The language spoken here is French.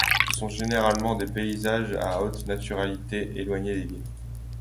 Ce sont généralement des paysages à haute naturalité, éloignés des villes.